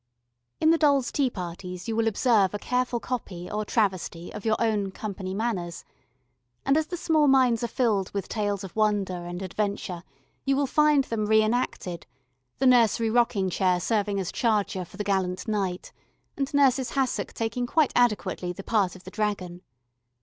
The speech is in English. In the dolls' tea parties you will observe a careful copy or travesty of your own "company manners," and as the small minds are filled with tales of wonder and adventure, you will find them re enacted, the nursery rocking chair serving as charger for the gallant knight, and nurse's hassock taking quite adequately the part of the dragon.